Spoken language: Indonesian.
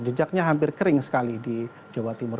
jejaknya hampir kering sekali di jawa timur